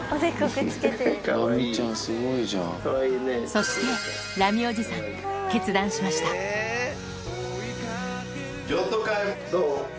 そしてラミおじさん、決断し譲渡会、どう？